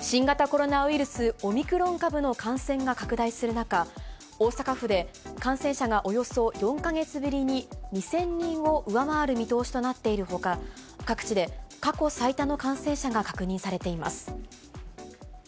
新型コロナウイルス、オミクロン株の感染が拡大する中、大阪府で感染者がおよそ４か月ぶりに２０００人を上回る見通しとなっているほか、各地で過去最多の感染者が確認されています。